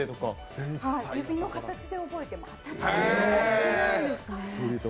指の形で覚えてます。